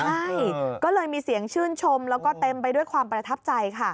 ใช่ก็เลยมีเสียงชื่นชมแล้วก็เต็มไปด้วยความประทับใจค่ะ